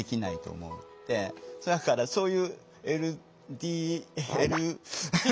だからそういうＬＤＬ。